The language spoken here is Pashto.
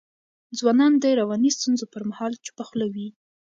ځوانان د رواني ستونزو پر مهال چوپه خوله وي.